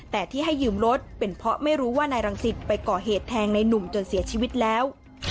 แต่ที่ให้ยืมรถเป็นเพราะไม่รู้ว่านายรังสิตไปก่อเหตุแทงในหนุ่มจนเสียชีวิตแล้ว